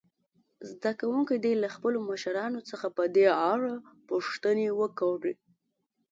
زده کوونکي دې له خپلو مشرانو څخه په دې اړه پوښتنې وکړي.